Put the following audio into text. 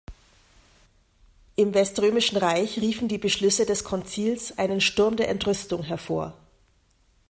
Im Weströmischen Reich riefen die Beschlüsse des Konzils einen Sturm der Entrüstung hervor.